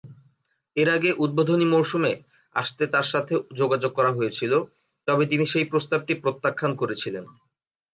এর আগে উদ্বোধনী মরসুমে আসতে তার সাথে যোগাযোগ করা হয়েছিল, তবে তিনি সেই প্রস্তাবটি প্রত্যাখ্যান করেছিলেন।